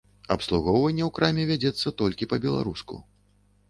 Абслугоўванне ў краме вядзецца толькі па-беларуску.